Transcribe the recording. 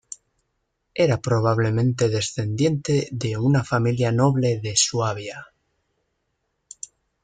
Era probablemente descendiente de una familia noble de Suabia.